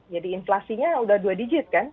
jadi inflasinya udah dua digit kan